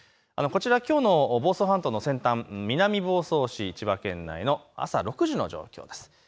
きょうの房総半島の南房総市、千葉県内の朝６時の映像です。